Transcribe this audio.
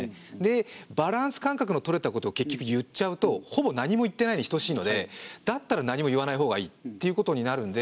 バランス感覚の取れたことを結局言っちゃうとほぼ何も言ってないに等しいのでだったら何も言わないほうがいいっていうことになるんで